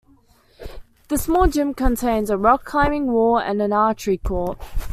The small gym contains a rock climbing wall and an archery court.